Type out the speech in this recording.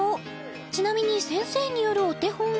ちなみに先生によるお手本は？